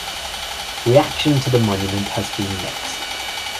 Reaction to the monument has been mixed.